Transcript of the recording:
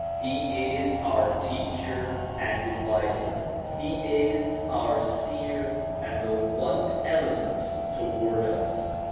He is our teacher and adviser; he is our seer and the one clement toward us.